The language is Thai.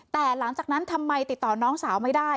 แต่หลังจากนั้นทำไมติดต่อน้องสาวไม่ได้